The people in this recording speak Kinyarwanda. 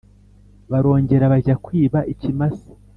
barongera bajya kwiba ikimasa